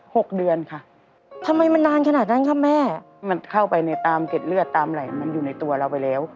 หกเดือนค่ะทำไมมันนานขนาดนั้นคะแม่มันเข้าไปในตามเด็ดเลือดตามไหล่มันอยู่ในตัวเราไปแล้ว